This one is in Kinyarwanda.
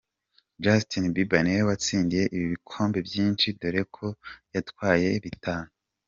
Justin Bieber niwe watsindiye ibikombe byinshi dore ko yatwaye bitanu.